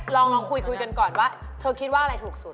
ลองคุยกันก่อนว่าเธอคิดว่าอะไรถูกสุด